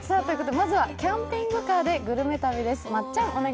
まずは、キャンピングカーでグルメ旅です。